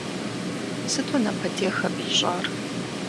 Сыту напэтех абы ищӏар.